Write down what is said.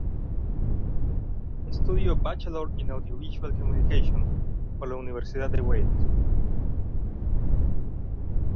Estudió Bachelor in Audiovisual Communication por la Universidad de Wales.